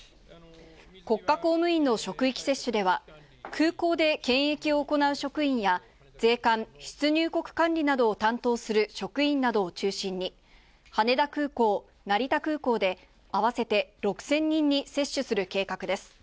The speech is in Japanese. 国家公務員の職域接種では、空港で検疫を行う職員や、税関、出入国管理などを担当する職員などを中心に、羽田空港、成田空港で合わせて６０００人に接種する計画です。